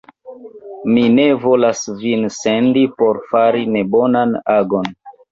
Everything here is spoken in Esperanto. Mi ne volas vin sendi por fari nebonan agon!